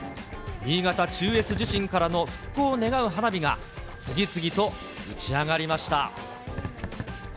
新潟中越地震からの復興を願う花火が、次々と打ち上がりました。